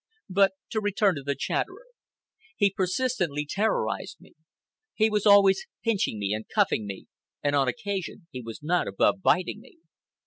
But to return to the Chatterer. He persistently terrorized me. He was always pinching me and cuffing me, and on occasion he was not above biting me.